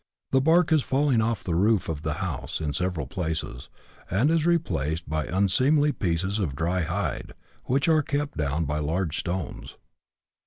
The bark is falling off the roof of the house in several places, and is replaced by unseemly pieces of dry hide, which are kept down by large stones.